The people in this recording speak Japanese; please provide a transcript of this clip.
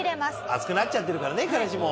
熱くなっちゃってるからね彼氏も。